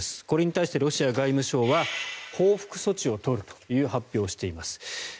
これに対してロシア外務省は報復措置を取るという発表をしています。